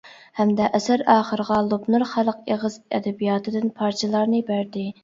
ھەمدە ئەسەر ئاخىرىغا لوپنۇر خەلق ئېغىز ئەدەبىياتىدىن پارچىلارنى بەردى.